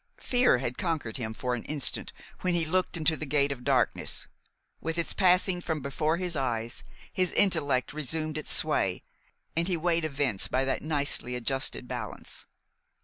Fear had conquered him for an instant when he looked into the gate of darkness. With its passing from before his eyes, his intellect resumed its sway, and he weighed events by that nicely adjusted balance.